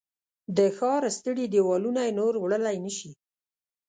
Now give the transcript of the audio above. د ښار ستړي دیوالونه یې نور وړلای نه شي